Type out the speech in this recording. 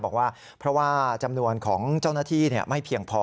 บอกว่าเพราะว่าจำนวนของเจ้าหน้าที่ไม่เพียงพอ